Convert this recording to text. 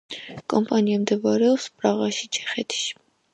კომპანია მდებარეობს პრაღაში, ჩეხეთში.